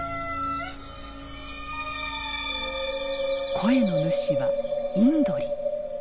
声の主はインドリ。